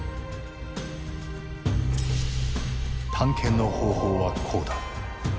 探検の方法はこうだ。